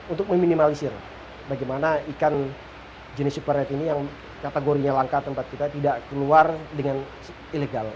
untuk meminimalisir bagaimana ikan jenis super red ini yang kategorinya langka tempat kita tidak keluar dengan ilegal